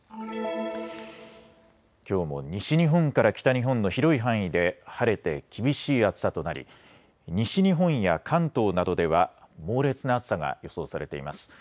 きょうも西日本から北日本の広い範囲で晴れて厳しい暑さとなり西日本や関東などでは猛烈な暑さが予想されています。